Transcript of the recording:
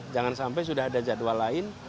jangan sampai sudah ada jadwal lain